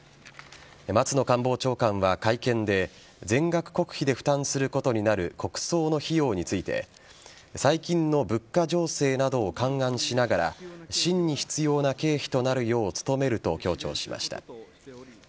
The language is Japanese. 松野官房長官は会見で全額国費で負担することになる国葬の費用について最近の物価情勢などを勘案しながら真に必要な経費となるよう努めると強調しました。